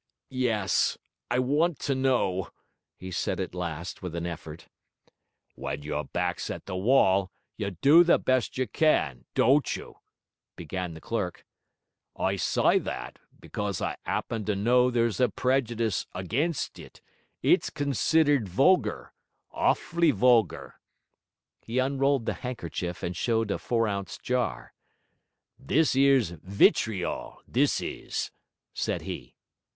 'Yes, I want to know,' he said at last with an effort. 'We'n you're back's at the wall, you do the best you can, don't you?' began the clerk. 'I s'y that, because I 'appen to know there's a prejudice against it; it's considered vulgar, awf'ly vulgar.' He unrolled the handkerchief and showed a four ounce jar. 'This 'ere's vitriol, this is,' said he.